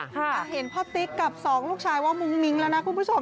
เห็นพ่อติ๊กกับสองลูกชายว่ามุ้งมิ้งแล้วนะคุณผู้ชม